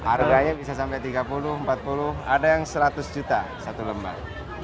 harganya bisa sampai tiga puluh empat puluh ada yang seratus juta satu lembar